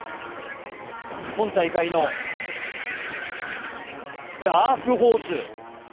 今大会ダークホース！